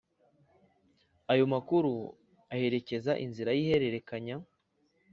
Ayo makuru aherekeza inzira y’ihererekanya